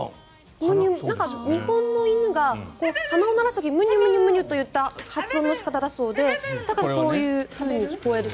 日本の犬が鼻を鳴らす時ムニュムニュといった発音だそうでだからこういうふうに聞こえると。